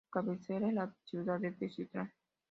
Su cabecera es la ciudad de Teziutlán.